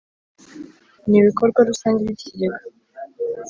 n ibikorwa rusange by ikigega